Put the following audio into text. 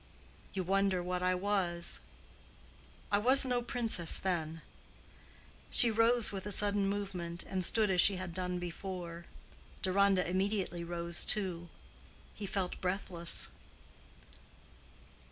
You wonder what I was. I was no princess then." She rose with a sudden movement, and stood as she had done before. Deronda immediately rose too; he felt breathless.